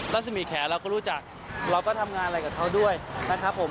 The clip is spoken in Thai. รัศมีแขนเราก็รู้จักเราก็ทำงานอะไรกับเขาด้วยนะครับผม